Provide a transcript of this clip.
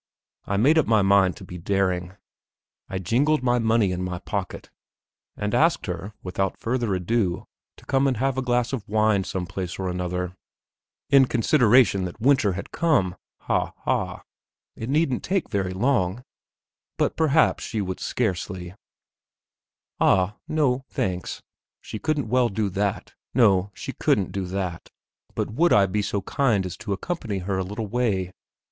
I made up my mind to be daring; I jingled my money in my pocket, and asked her, without further ado, to come and have a glass of wine some place or another ... in consideration that winter had come, ha, ha! ... it needn't take very long ... but perhaps she would scarcely.... Ah, no, thanks; she couldn't well do that. No! she couldn't do that; but would I be so kind as to accompany her a little way?